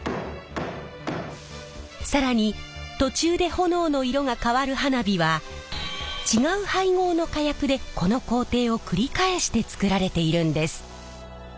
更に途中で炎の色が変わる花火は違う配合の火薬でこの工程を繰り返して作られているんです。